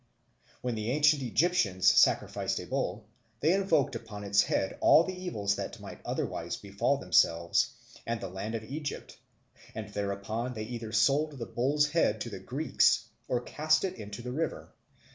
When the ancient Egyptians sacrificed a bull, they invoked upon its head all the evils that might otherwise befall themselves and the land of Egypt, and thereupon they either sold the bull's head to the Greeks or cast it into the river.